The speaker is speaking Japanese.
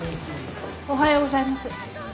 おはようございます。